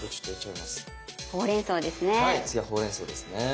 次はほうれんそうですね。